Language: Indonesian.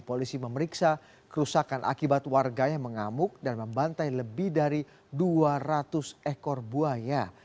polisi memeriksa kerusakan akibat warga yang mengamuk dan membantai lebih dari dua ratus ekor buaya